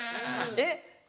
えっ？